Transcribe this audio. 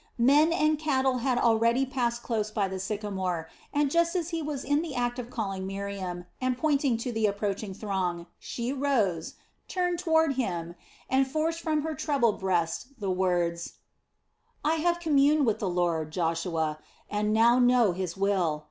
Men and cattle had already passed close by the sycamore and just as he was in the act of calling Miriam and pointing to the approaching throng, she rose, turned toward him, and forced from her troubled breast the words: "I have communed with the Lord, Joshua, and now know His will.